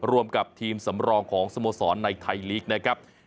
รวมกับทีมสำรองของสโมสรในไทยลีกนะครับ